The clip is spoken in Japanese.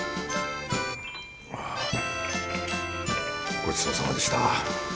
ごちそうさまでした。